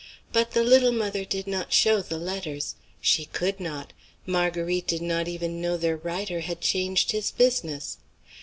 But the little mother did not show the letters. She could not; Marguerite did not even know their writer had changed his business.